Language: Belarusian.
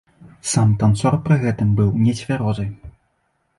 Сам танцор пры гэтым быў нецвярозы.